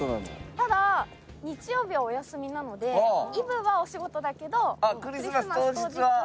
ただ日曜日はお休みなのでイブはお仕事だけどクリスマス当日ははい。